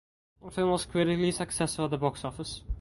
The film was critically successful at the box office.